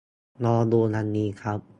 ลองดูอันนี้ครับ